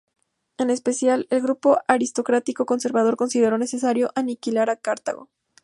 En especial, el grupo aristocrático conservador consideró necesario aniquilar a Cartago.